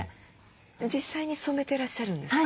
実際に染めてらっしゃるんですか？